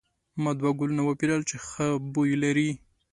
ما دوه ګلونه وپیرل چې ښه بوی لري.